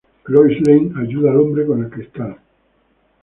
Lois Lane ayuda al hombre con el cristal.